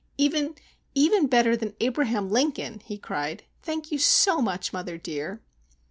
"Even, even, better than Abraham Lincoln!" he cried. "Thank you so much, mother dear!"